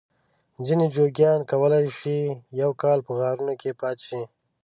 ځینې جوګیان کولای شي یو کال په غارونو کې پاته شي.